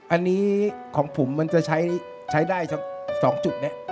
อันนี้ของผมมันจะใช้ได้สัก๒จุดนี้